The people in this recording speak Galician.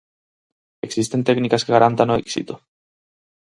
Existen técnicas que garantan o éxito?